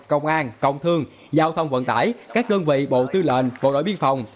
công an công thương giao thông vận tải các đơn vị bộ tư lệnh bộ đội biên phòng